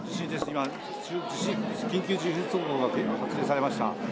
今、緊急地震速報が発令されました。